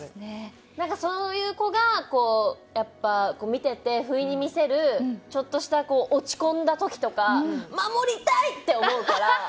そういう子がやっぱ見てて不意に見せるちょっとした落ち込んだ時とか守りたいって思うから。